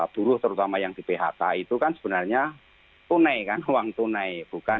buruh terutama yang di phk itu kan sebenarnya tunai kan uang tunai bukan